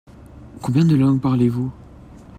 Combien de langues parlez-vous ?